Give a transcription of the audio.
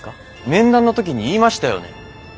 面談の時に言いましたよね。